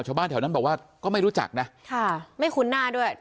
ชาวบ้านแถวนั้นบอกว่าก็ไม่รู้จักนะค่ะไม่คุ้นหน้าด้วย